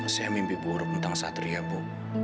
saya mimpi buruk tentang satria bu